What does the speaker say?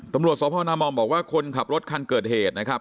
ตำรวจสพนามอมบอกว่าคนขับรถคันเกิดเหตุนะครับ